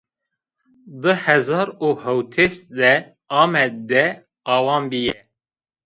Di hezar û hewtês de Amed de awan bîye